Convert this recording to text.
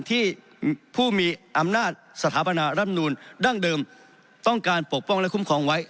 ที่ผู้มีอำนาจสถาปนาร่ำนูลดั้งเดิมต้องการปกป้องและคุ้มครองไว้